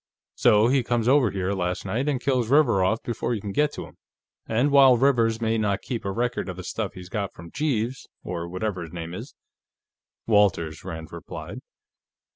So he comes over here, last night, and kills Rivers off before you can get to him. And while Rivers may not keep a record of the stuff he got from Jeeves, or whatever his name is " "Walters," Rand supplied.